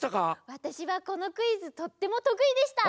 わたしはこのクイズとってもとくいでした！